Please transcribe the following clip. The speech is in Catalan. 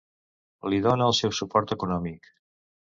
Li dóna el seu suport econòmic.